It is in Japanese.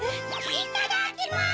いただきます！